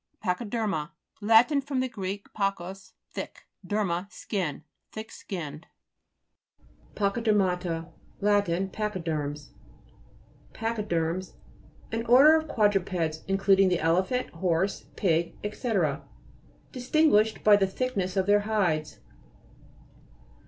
PA'CHYDE'RMA Lat. fr. gr. pachus, think, derma, skin. Thick skin ned. PA'CHYDE'RMATA Lat. Pa'chy de'rms. PACHYUE'RMS An order of quadru peds, including the elephant, horse, pig, &c., distinguished by the thick ness of their hides.